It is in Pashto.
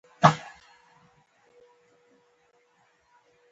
تر دې ځايه هر څه ډېر ښه پر مخ ولاړل.